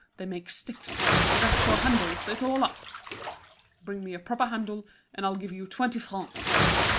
They make sticks, but as for handles, it's all up! Bring me a proper handle, and I'll give you twenty francs!"